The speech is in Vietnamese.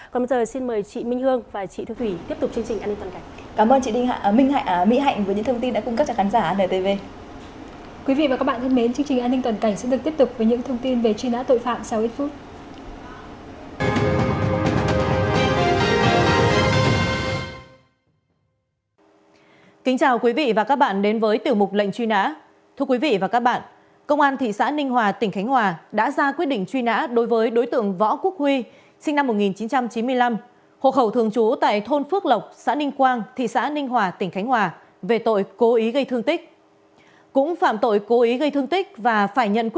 còn bây giờ xin mời chị minh hương và chị thư thủy tiếp tục chương trình an ninh toàn cảnh